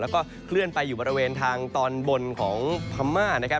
แล้วก็เคลื่อนไปอยู่บริเวณทางตอนบนของพม่านะครับ